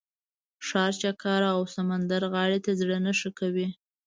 ښار چکر او سمندرغاړې ته زړه نه ښه کوي.